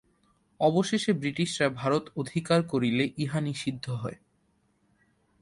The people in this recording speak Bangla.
অবশেষে ব্রিটিশরা ভারত অধিকার করিলে ইহা নিষিদ্ধ হয়।